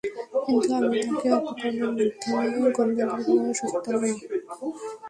কিন্তু আমি তাঁকে অপকর্মের মাধ্যমে গণতন্ত্র বিপন্ন করার সুযোগ দেব না।